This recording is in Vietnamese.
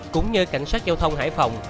cũng như cảnh sát giao thông hải phòng